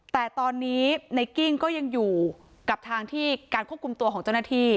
แต่ตอนนี้ในกิ้งก็ยังอยู่กับทางที่การควบคุมตัวของเจ้าหน้าที่